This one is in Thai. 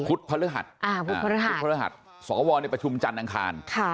พฤหัสพุธพฤหัสสวในประชุมจันทร์อังคาร